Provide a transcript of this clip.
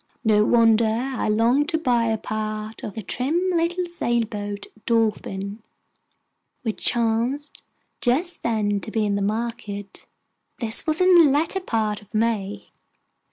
No wonder I longed to buy a part of the trim little sailboat Dolphin, which chanced just then to be in the market. This was in the latter part of May.